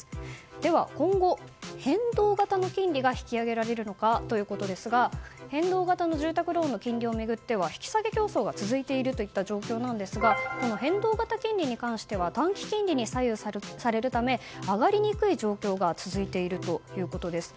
では、今後、変動型の金利が引き上げられるのかということですが変動型の住宅ローンの金利を巡っては引き下げ競争が続いているといった状況ですが変動型金利に関しては短期金利に左右されるため上がりにくい状況が続いているということです。